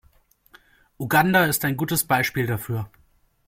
Uganda ist ein gutes Beispiel dafür.